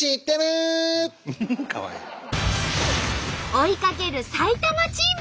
追いかける埼玉チーム。